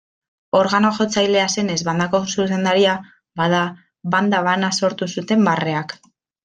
Organo-jotzailea zenez bandako zuzendaria, bada, banda bana sortu zuten barreak.